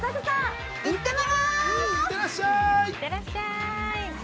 行ってらっしゃい。